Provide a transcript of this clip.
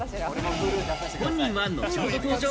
本人は後ほど登場。